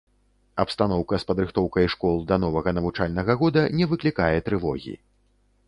Абстаноўка з падрыхтоўкай школ да новага навучальнага года не выклікае трывогі.